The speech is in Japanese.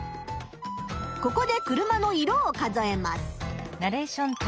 ここで車の色を数えます。